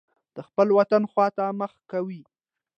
د خپل وطن خوا ته مخه کوي.